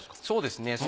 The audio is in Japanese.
そうですね